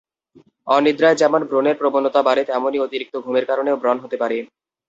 অনিদ্রায় যেমন ব্রণের প্রবণতা বাড়ে, তেমনি অতিরিক্ত ঘুমের কারণেও ব্রণ হতে পারে।